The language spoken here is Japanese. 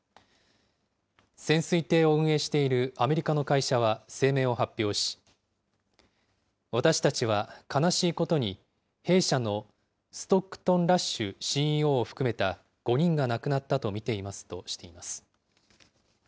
潜水艇を運営しているアメリカの会社は声明を発表し、私たちは悲しいことに、弊社のストックトン・ラッシュＣＥＯを含めた５人が亡くなったと見ていますとしています。